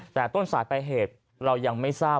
แต่ต้นสายปลายเหตุเรายังไม่ทราบ